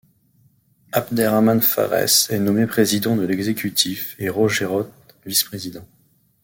Abderrahmane Farès est nommé président de l'Exécutif et Roger Roth vice-président.